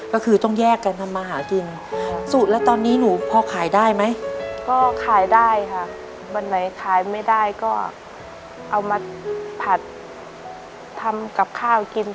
ได้ค่ะวันไหนขายไม่ได้ก็เอามาผัดทำกับข้าวกินตอนเย็นกันอย่าง